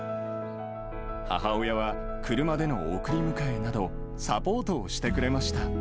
母親は車での送り迎えなど、サポートをしてくれました。